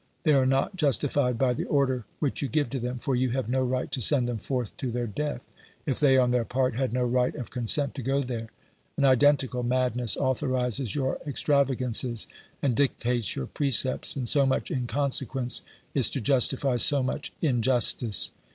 They are not justified by the order which you give to them, for you have no right to send them forth to their death, if they, on their part, had no right of consent to go there. An identical madness authorises your extravagances and dictates your precepts, and so much inconsequence is to justify so much injustice